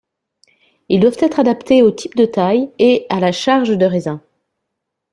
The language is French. Ils doivent être adaptés au type de taille et à la charge de raisin.